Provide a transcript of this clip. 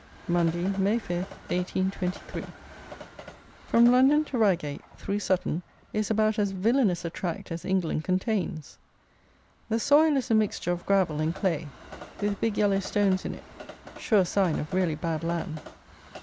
Monday, May 5, 1823. From London to Reigate, through Sutton, is about as villanous a tract as England contains. The soil is a mixture of gravel and clay, with big yellow stones in it, sure sign of really bad land.